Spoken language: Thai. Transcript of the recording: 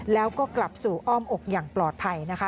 แล้วก็กลับสู่อ้อมอกอย่างปลอดภัยนะคะ